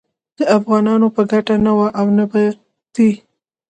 د افغانانو په ګټه نه و او نه دی